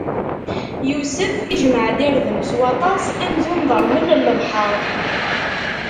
Yusef ijemɛ-d irden s waṭas, amzun d ṛṛmel n lebḥeṛ.